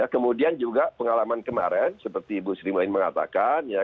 kemudian juga pengalaman kemarin seperti ibu sri maim mengatakan